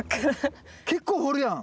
結構掘るやん！